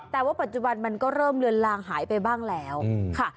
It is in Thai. แต่ว่าปัจจุบันมันก็เริ่มเลือนลางหายไปบ้างแล้วค่ะ